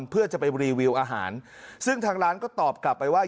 เพื่อจะไปรีวิวอาหารซึ่งทางร้านก็ตอบกลับไปว่า